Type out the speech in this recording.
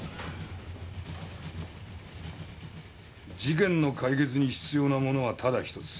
事件の解決に必要なものはただひとつ。